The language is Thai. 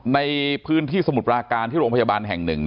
ในพื้นที่สมุทรปราการที่โรงพยาบาลแห่ง๑